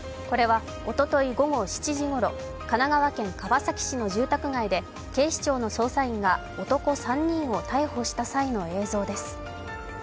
これはおととい午後７時ごろ神奈川県川崎市の住宅街で警視庁の捜査員が男３人を逮捕した際の映像です。